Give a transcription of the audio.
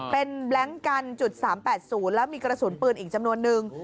เป็นแบล็งกันจุด๓๘๐แล้วมีกระสุนปืนอีกจำนวนนึง